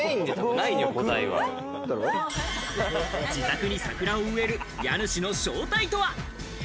自宅に桜を植える家主の正体とは？